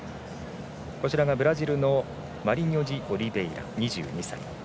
ブラジルのマリニョジオリベイラ、２２歳。